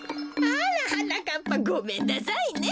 あらはなかっぱごめんなさいね。